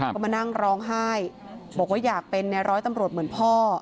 ก็มานั่งร้องไห้บอกว่าอยากเป็นในร้อยตำรวจเหมือนพ่อ